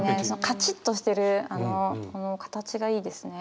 カチッとしてるこの形がいいですね。